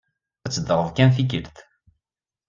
Ad teddreḍ kan tikkelt.